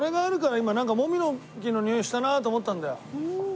今なんかモミの木のにおいしたなと思ったんだよ。